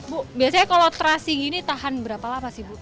bu biasanya kalau terasi gini tahan berapa lama sih bu